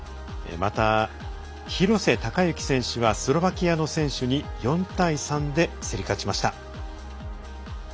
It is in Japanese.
また、廣瀬隆喜選手はスロバキアの選手に４対３で競り勝ちました。